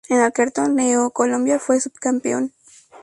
En aquel torneo, Colombia fue subcampeón.